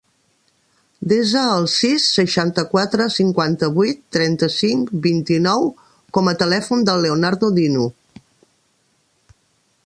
Desa el sis, seixanta-quatre, cinquanta-vuit, trenta-cinc, vint-i-nou com a telèfon del Leonardo Dinu.